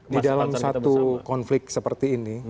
di dalam satu konflik seperti ini